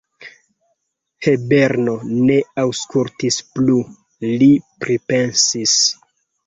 Herbeno ne aŭskultis plu; li pripensis.